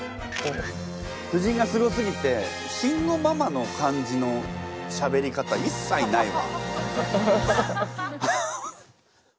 夫人がすごすぎて慎吾ママの感じのしゃべり方いっさいないわ。